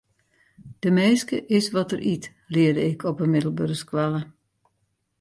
De minske is wat er yt, learde ik op 'e middelbere skoalle.